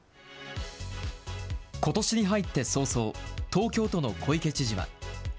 ことしに入って早々、東京都の小池知事は。